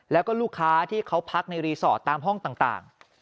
แล้วก็ลูกค้าที่เขาพักในรีสอร์ทตามห้องต่าง